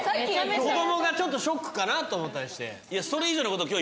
子供がちょっとショックかなと思ったりして。